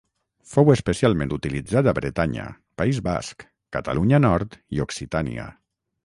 Fou especialment utilitzat a Bretanya, País Basc, Catalunya Nord i Occitània.